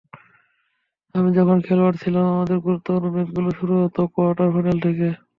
আমি যখন খেলোয়াড় ছিলাম, আমাদের গুরুত্বপূর্ণ ম্যাচগুলো শুরু হতো কোয়ার্টার ফাইনাল থেকে।